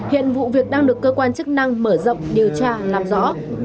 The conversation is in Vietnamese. hiện vụ việc đang được cơ quan chức năng mở rộng điều tra làm rõ